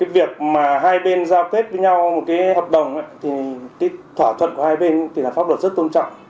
việc mà hai bên giao kết với nhau một hợp đồng thỏa thuận của hai bên là pháp luật rất tôn trọng